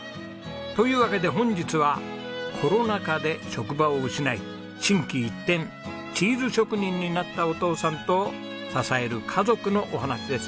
というわけで本日はコロナ禍で職場を失い心機一転チーズ職人になったお父さんと支える家族のお話です。